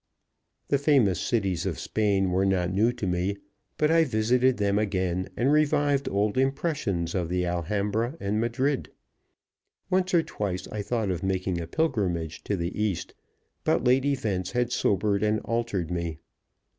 The famous cities of Spain were not new to me, but I visited them again and revived old impressions of the Alhambra and Madrid. Once or twice I thought of making a pilgrimage to the East, but late events had sobered and altered me.